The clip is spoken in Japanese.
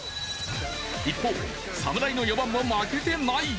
一方侍の４番も負けてない。